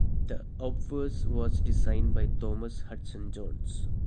The obverse was designed by Thomas Hudson Jones.